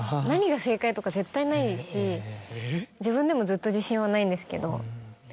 何が正解とか絶対ないし自分でもずっと自信はないんですけど。